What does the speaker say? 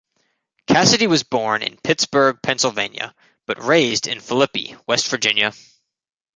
Cassidy was born in Pittsburgh, Pennsylvania, but raised in Philippi, West Virginia.